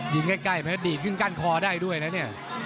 ดีใกล้ดีขึ้นกั้นคอได้ด้วยนะเนี่ย